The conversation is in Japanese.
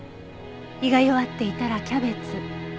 胃が弱っていたらキャベツ。